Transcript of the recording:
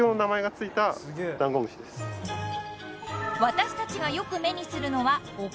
［私たちがよく目にするのは］